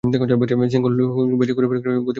সিঙ্কহোলগুলো খুঁজে বের করে সেগুলোর গতিমুখ বদলাতে হবে।